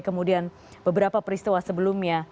kemudian beberapa peristiwa sebelumnya